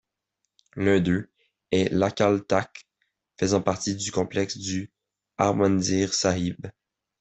L'un d'eux est l'Akal Takht, faisant partie du complexe du Harmandir Sahib.